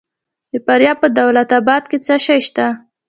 د فاریاب په دولت اباد کې څه شی شته؟